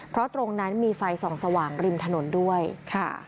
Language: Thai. เพราะตรงนั้นมีไฟส่องสว่างริมถนนด้วยค่ะ